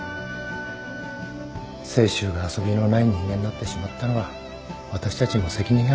清舟が遊びのない人間になってしまったのは私たちにも責任がある。